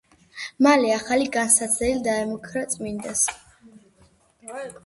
მალე ახალი განსაცდელი დაემუქრა წმიდანს.